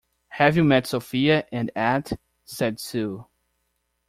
Have you met Sophia and Ed? said Sue.